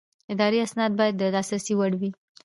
اداري اسناد باید د لاسرسي وړ وي.